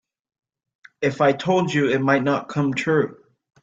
If I told you it might not come true.